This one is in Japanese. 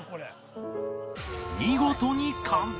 見事に完走